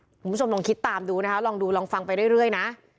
ชมลงคิดตามดูนะคะลองดูลองฟังไปเรื่อยเรื่อยนะ